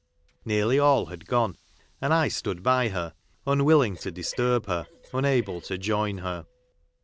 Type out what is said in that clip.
Nearly all had gone — and I stood by her, un willing to disturb her, unable to join her.